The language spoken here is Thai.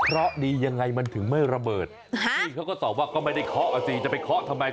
ระเบิดบ้องไปเลย